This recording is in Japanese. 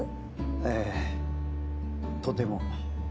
ええとても。